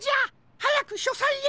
はやくしょさいへ！